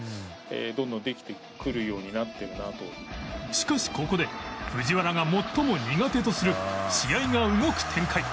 しかしここで藤原が最も苦手とする試合が動く展開